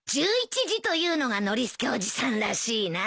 １１時というのがノリスケおじさんらしいな。